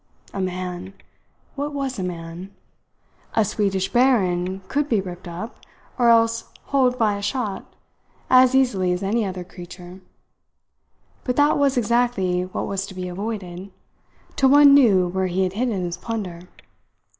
A man! What was a man? A Swedish baron could be ripped up, or else holed by a shot, as easily as any other creature; but that was exactly what was to be avoided, till one knew where he had hidden his plunder.